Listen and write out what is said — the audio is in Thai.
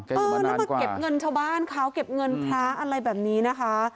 แกอยู่มานานกว่าเออแล้วมาเก็บเงินชาวบ้านเขาเก็บเงินพระอะไรแบบนี้นะคะ